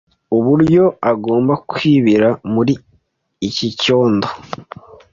Uburyo agomba kwibira muri iki cyondo